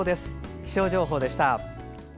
気象情報でした。